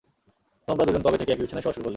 তোমরা দুজন কবে থেকে একই বিছানায় শোয়া শুরু করলে?